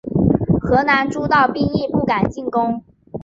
河南诸道兵亦不敢进攻。